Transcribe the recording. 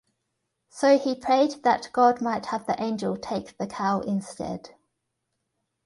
So he prayed that God might have the angel take the cow instead.